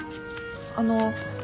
あの。